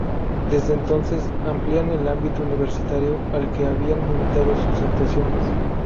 Desde entonces amplían el ámbito universitario al que habían limitado sus actuaciones.